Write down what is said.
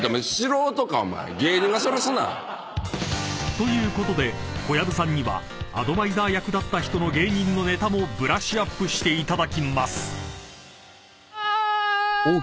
［ということで小籔さんにはアドバイザー役だった人の芸人のネタもブラッシュアップしていただきます］